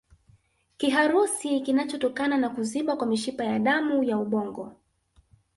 Kiharusi kinachotokana na kuziba kwa mishipa ya damu ya ubongo